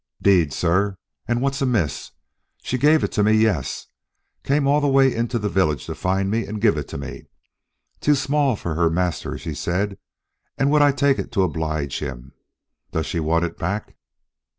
"'Deed, sir, and what's amiss? She gave it to me, yes. Came all the way into the village to find me and give it to me. Too small for her master, she said; and would I take it to oblige him. Does she want it back?"